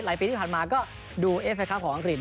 หลายปีที่ผ่านมาก็ดูอัพเฟสครับของอังกฤษ